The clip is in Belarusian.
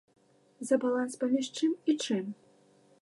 За баланс паміж чым і чым?